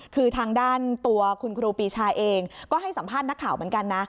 คือทางด้านตัวคุณครูปีชาเองก็ให้สัมภาษณ์นักข่าวเหมือนกันนะ